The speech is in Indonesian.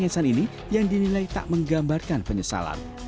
dan penyesalan ini yang dinilai tak menggambarkan penyesalan